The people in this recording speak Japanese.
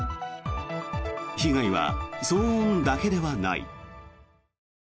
被害は騒音だけではない。